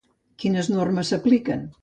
Quines normes s'apliquen?